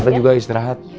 nanti juga istirahat